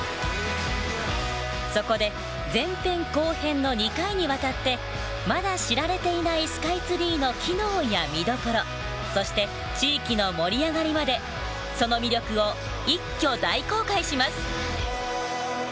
そこで前編後編の２回にわたってまだ知られていないスカイツリーの機能や見どころそして地域の盛り上がりまでその魅力を一挙大公開します。